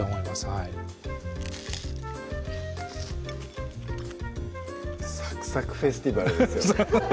はいサクサクフェスティバルですよね